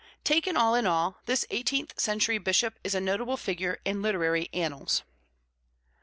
Taken all in all, this eighteenth century bishop is a notable figure in literary annals.